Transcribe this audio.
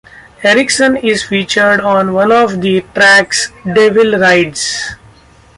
Erickson is featured on one of the tracks, "Devil Rides".